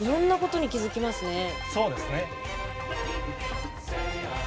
そうですね。